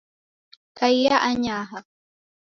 Kaia anyaha